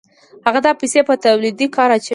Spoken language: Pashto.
هغه دا پیسې په تولیدي کار اچوي